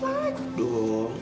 belom nangis lagi dong